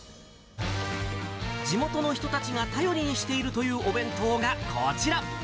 地元の人たちが頼りにしているというお弁当がこちら。